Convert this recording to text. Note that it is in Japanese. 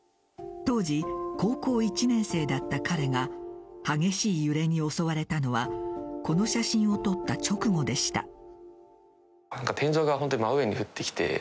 当時、高校１年生だった彼が激しい揺れに襲われたのはこの写真を撮った直後でした。